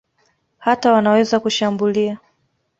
Hata wanaweza kushambulia.